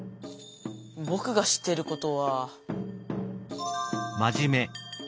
ぼくが知ってることは。